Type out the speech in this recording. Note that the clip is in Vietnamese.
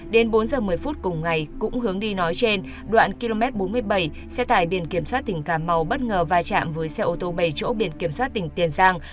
đến bốn h một mươi phút cùng ngày cũng hướng đi nói trên đoạn km bốn mươi bảy xe tài biển kiểm soát tỉnh cà mau bất ngờ vai trạm với xe ô tô bày chỗ biển kiểm soát tỉnh tiền giang